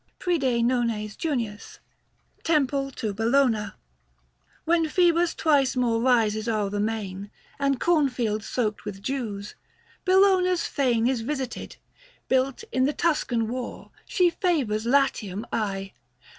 PRID. NON. JUN. TEMPLE TO BELLONA. When Phoebus twice more rises o'er the main, 235 And cornfields soaked with dews, Bellona's fane Is visited ; built in the Tuscan war, She favours Latium aye